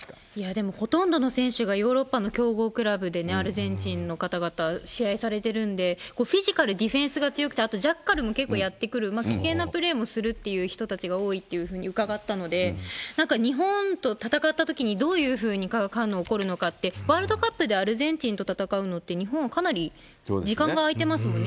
でも、ほとんどの選手がヨーロッパの強豪クラブでね、アルゼンチンの方々、試合されてるんで、フィジカル、ディフェンスが強くて、あとジャッカルもやって来る、危険なプレーもするっていう人たちが多いっていうふうに伺ったので、なんか日本と戦ったときにどういうふうに化学反応起こるのかって、ワールドカップでアルゼンチンと戦うのって、日本はかなり時間が開いてますもんね。